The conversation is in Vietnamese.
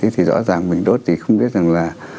thì rõ ràng mình đốt thì không biết rằng là